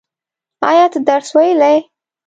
ایا ته درس ویلی؟